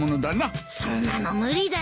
そんなの無理だよ。